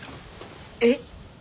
えっ。